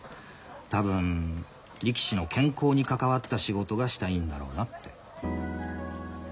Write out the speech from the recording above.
多分力士の健康に関わった仕事がしたいんだろうなって。